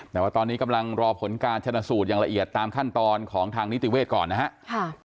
แต่ว่าตอนนี้กำลังรอผลการชนะสูตรอย่างละเอียดตามขั้นตอนของทางนิติเวทย์ก่อนนะครับ